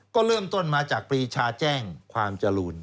ก็เริ่มต้นมาจากปรีชาแจ้งความจรูน